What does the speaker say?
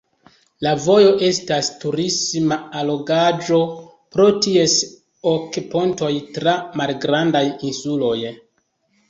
La vojo estas turisma allogaĵo pro ties ok pontoj tra malgrandaj insuloj.